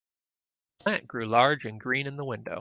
The plant grew large and green in the window.